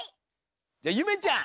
じゃゆめちゃん。